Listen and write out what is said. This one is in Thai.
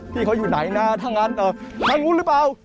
พี่เขาอยู่ไหนนะถ้างั้นทางนู้นหรือเปล่า